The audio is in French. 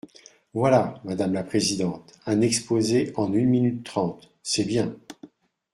Voilà, madame la présidente, un exposé en une minute trente ! C’est bien.